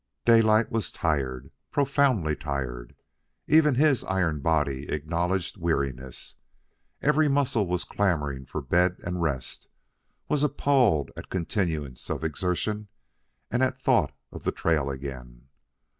Daylight was tired, profoundly tired. Even his iron body acknowledged weariness. Every muscle was clamoring for bed and rest, was appalled at continuance of exertion and at thought of the trail again.